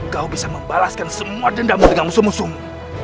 kau bisa membalaskan semua dendamu dengan musuh musuhmu